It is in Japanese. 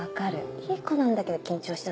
いい子なんだけど緊張しちゃう。